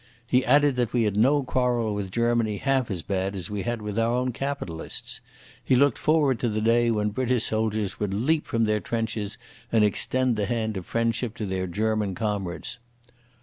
He added that we had no quarrel with Germany half as bad as we had with our own capitalists. He looked forward to the day when British soldiers would leap from their trenches and extend the hand of friendship to their German comrades.